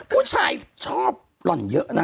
ผู้ชายชอบหล่อนเยอะนะ